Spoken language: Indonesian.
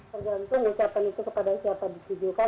tergantung ucapan itu kepada siapa ditujukan